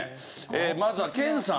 まずは研さん。